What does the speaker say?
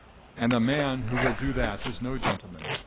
And a man who will do that is no gentleman.